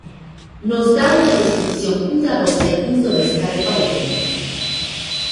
Nos da una descripción cuidadosa y pintoresca de Palermo.